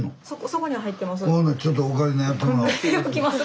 そこに入ってます。